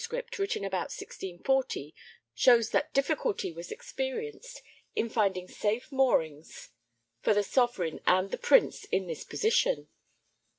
written about 1640 shows that difficulty was experienced in finding safe moorings for the Sovereign and the Prince in this position.